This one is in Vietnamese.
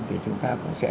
thì chúng ta cũng sẽ